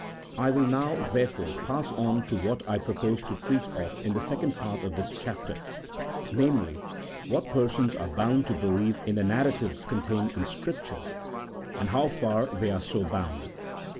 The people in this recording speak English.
I will now, therefore, pass on to what I proposed to treat of in the second part of this chapter, namely, what persons are bound to believe in the narratives contained in Scripture, and how far they are so bound.